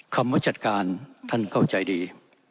คำว่าจัดการท่านเข้าใจดี